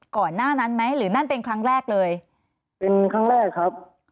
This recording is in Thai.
ก่อนหน้านั้นไหมหรือนั่นเป็นครั้งแรกเลยเป็นครั้งแรกครับ